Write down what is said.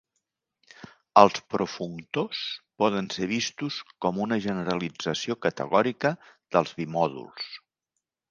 Els profunctors poden ser vistos com una generalització categòrica dels bimòduls.